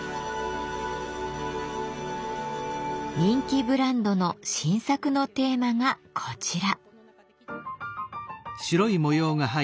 人気ブランドの新作のテーマがこちら。